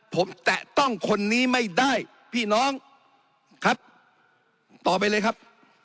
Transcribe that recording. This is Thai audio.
ผมแตะต้องคนนี้ไม่ได้พี่น้องครับต่อไปเลยครับ